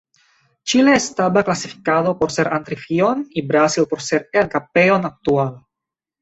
Chile estaba clasificado por ser anfitrión y Brasil por ser el campeón actual.